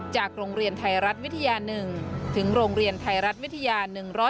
โรงเรียนไทยรัฐวิทยา๑ถึงโรงเรียนไทยรัฐวิทยา๑๐